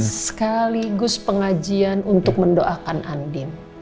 dan sekaligus pengajian untuk mendoakan andin